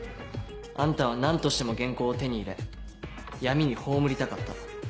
あんたは何としても原稿を手に入れ闇に葬りたかった。